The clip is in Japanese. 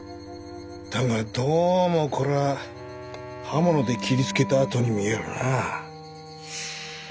だがどうもこらぁ刃物で切りつけた跡に見えるなぁ。